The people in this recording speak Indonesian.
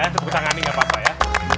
ya tetep ditangani gapapa ya